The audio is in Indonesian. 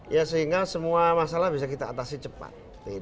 ya sehingga semua masalah bisa kita atasi cepat